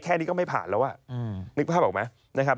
แค่นี้ก็ไม่ผ่านแล้วนึกภาพออกไหม